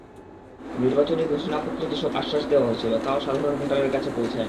নির্বাচনী ঘোষণাপত্রে যেসব আশ্বাস দেওয়া হয়েছিল, তা-ও সাধারণ ভোটারের কাছে পৌঁছায়নি।